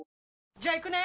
じゃあ行くね！